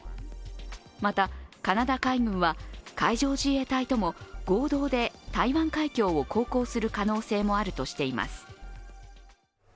またカナダ海軍は、海上自衛隊とも合同で台湾海峡を航行する可能性もあるとしています。